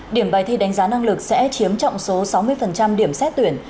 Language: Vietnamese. điểm bài thi đánh giá năng lực sẽ chiếm trọng số sáu mươi điểm xét tuyển